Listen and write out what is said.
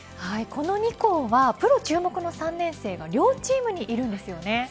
この２校はプロ注目の３年生が両チームにいるんですよね。